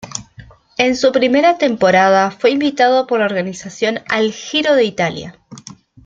En su primera temporada, fue invitado por la organización al Giro de Italia.